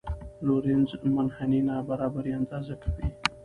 لورینز منحني نابرابري اندازه کوي.